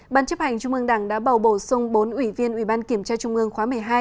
ban chấp hành trung ương đảng đã bầu bổ sung bốn ủy viên ủy ban kiểm tra trung ương khóa một mươi hai